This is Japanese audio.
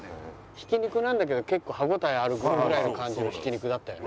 ひき肉なんだけど結構歯応えあるぐらいの感じのひき肉だったよね。